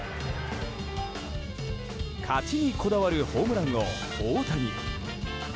勝ちにこだわるホームラン王・大谷。